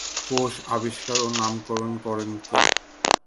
কোষ আবিষ্কার ও নামকরণ করেন কে?